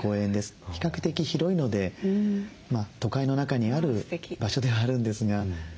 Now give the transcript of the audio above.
比較的広いので都会の中にある場所ではあるんですが。